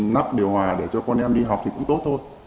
nắp điều hòa để cho con em đi học thì cũng tốt thôi